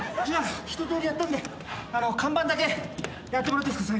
一とおりやったんで看板だけやってもらっていいっすか？